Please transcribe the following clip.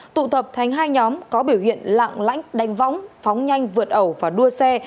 tụ tập thành hai nhóm có biểu hiện lạng lãnh đánh vóng phóng nhanh vượt ẩu và đua xe